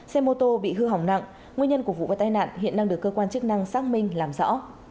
xe mô tô bị hư hỏng nặng nguyên nhân của vụ và tai nạn hiện đang được cơ quan chức năng xác minh làm rõ